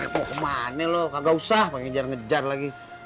mau ke mana lo gak usah pake jar ngejar lagi